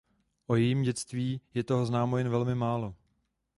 O jejím dětství je toho známo jen velmi málo.